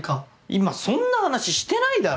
今そんな話してないだろ？